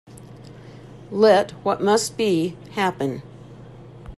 Let what must be, happen.